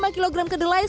dua puluh lima kg kedelai